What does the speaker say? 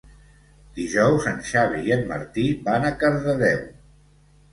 Dijous en Xavi i en Martí van a Cardedeu.